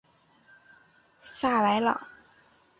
萨莱朗。